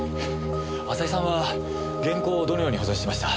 浅井さんは原稿をどのように保存してました？